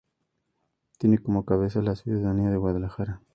Tiene como cabeza la ciudad de Guadalajara.